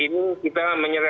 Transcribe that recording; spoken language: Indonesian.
nah memang kita mencermati